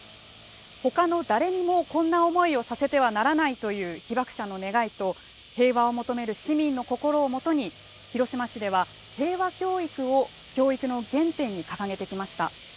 「ほかの誰もこんな思いをさせてはならない」という被爆者の願いと平和を求める市民の心をもとに広島市では平和教育を教育の原点に掲げてきました。